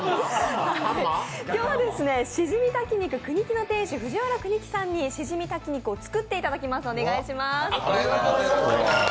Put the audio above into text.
今日はしじみ炊き肉くにきの店主、藤原都貴さんにしじみ炊き肉を作っていただきます。